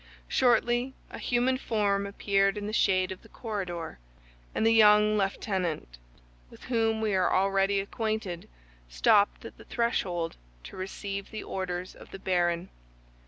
Shortly a human form appeared in the shade of the corridor, and the young lieutenant, with whom we are already acquainted, stopped at the threshold to receive the orders of the baron.